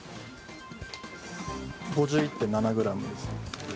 ５１．７ｇです。